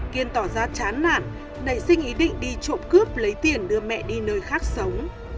kiên tỏ ra chán nản nảy sinh ý định đi trộm cướp lấy tiền đưa mẹ đi nơi khác sống